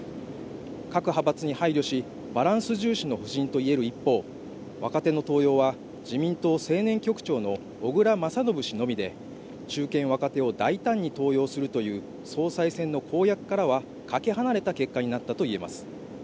各派閥に配慮しバランス重視の布陣といえる一方若手の登用は自民党青年局長の小倉将信氏のみで中堅若手を大胆に登用するという総裁選の公約からはかけ離れた結果になったといえます